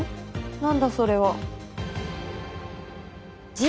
何だそれは？